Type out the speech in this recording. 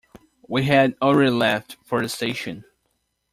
We had already left for the station.